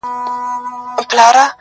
• په غضب یې کړه ور ږغ چي ژر سه څه کړې -